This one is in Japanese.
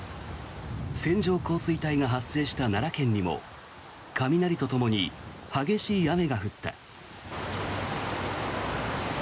線状降水帯が発生した奈良県にも雷とともに激しい雨が降った。